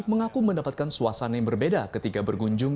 mengaku mendapatkan suasana yang berbeda ketika berkunjung